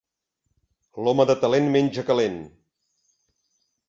L'home de talent menja calent.